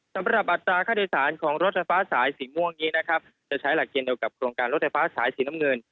อัตราค่าโดยสารของรถไฟฟ้าสายสีม่วงนี้นะครับจะใช้หลักเกียรเดียวกับโครงการรถไฟฟ้าสายสีน้ำเงิน